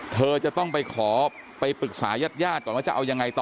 เธอจะต้องไปขอไปปรึกษายาดก่อนว่าจะเอายังไงต่อ